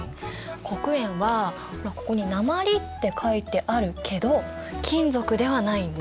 黒鉛はほらここに「鉛」って書いてあるけど金属ではないんだ。